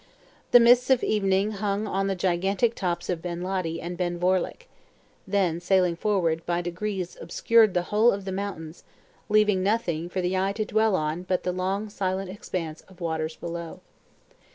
The mists of evening hung on the gigantic tops of Ben Ledi and Ben Vorlich; then sailing forward, by degrees obscured the whole of the mountains, leaving nothing for the eye to dwell on but the long silent expanse of the waters below.